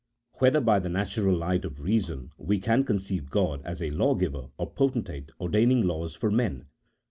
Whether by the natural light of reason we can con ceive of God as a law giver or potentate ordaining laws for men?